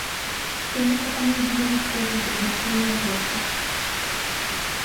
Яны прапануюць змяніць профіль прызначэння аб'екта.